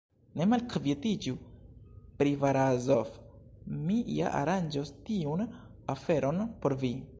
Ne malkvietiĝu pri Barazof; mi ja aranĝos tiun aferon por vi.